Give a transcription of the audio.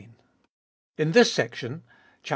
In this section (iv.